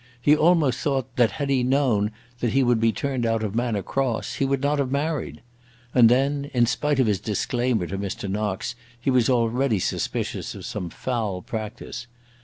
He almost thought that had he known that he would be turned out of Manor Cross, he would not have married. And then, in spite of his disclaimer to Mr. Knox, he was already suspicious of some foul practise.